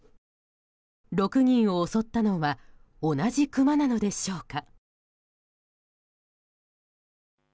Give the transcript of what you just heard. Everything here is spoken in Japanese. ６人を襲ったのは同じクマなのでしょうか？